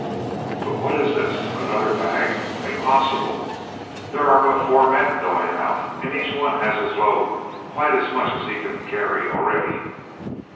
But what is this? Another bag? Impossible! There are but four men going out and each one has his load, quite as much as he can carry already.